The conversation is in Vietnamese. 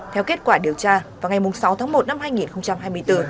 theo kết quả điều tra vào ngày sáu tháng một năm hai nghìn hai mươi bốn